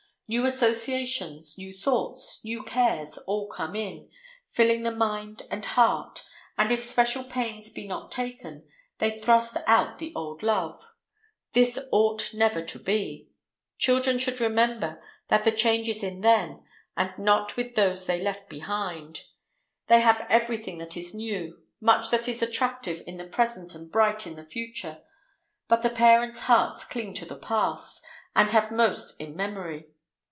New associations, new thoughts, new cares, all come in, filling the mind and heart, and, if special pains be not taken, they thrust out the old love. This ought never to be. Children should remember that the change is in them, and not with those they left behind. They have every thing that is new, much that is attractive in the present and bright in the future; but the parents' hearts cling to the past, and have most in memory.